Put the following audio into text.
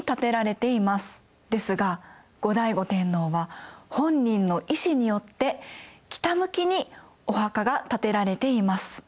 ですが後醍醐天皇は本人の意思によって北向きにお墓が建てられています。